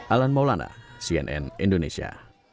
alan maulana cnn indonesia